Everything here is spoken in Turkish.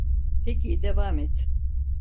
Peki, devam et.